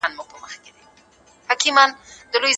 ته باید د ساینس او مذهب ترمنځ توپیر وپېژنې.